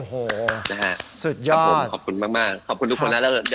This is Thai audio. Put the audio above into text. โอ้โหนะฮะสุดยอดครับผมขอบคุณมากขอบคุณทุกคนนะแล้ว